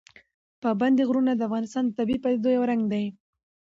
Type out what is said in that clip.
پابندي غرونه د افغانستان د طبیعي پدیدو یو رنګ دی.